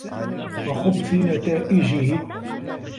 وَخُبْثِ نَتَائِجِهِ